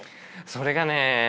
それがね